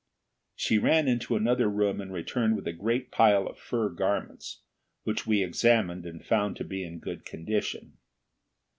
She ran into another room and returned with a great pile of fur garments, which we examined and found to be in good condition.